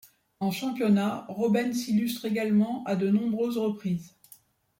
En championnat, Robben s'illustre également à de nombreuses reprises.